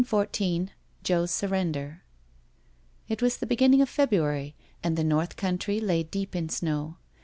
SCENE XIV JOPS SURRENDER It was the beginning of February and the North Country lay deep in snow.